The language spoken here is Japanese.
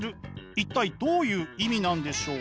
一体どういう意味なんでしょう？